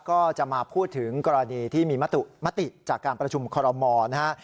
ก็จะมาพูดถึงกรณีที่มีมติมติจากการประชุมคอรมอลนะฮะ